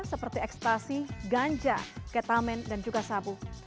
seperti ekstasi ganja ketamin dan juga sabu